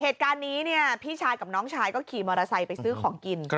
เหตุการณ์นี้เนี่ยพี่ชายกับน้องชายก็ขี่มอเตอร์ไซค์ไปซื้อของกิน